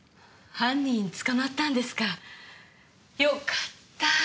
犯人捕まったんですかよかった。